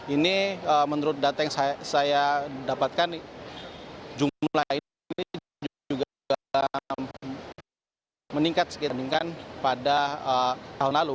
ini menurut data yang saya dapatkan jumlah ini juga meningkat pada tahun lalu